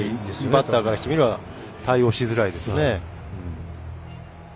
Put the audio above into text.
バッターからすると対応しづらいですよね。